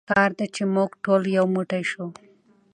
په کار ده چې مونږ ټول يو موټی شو.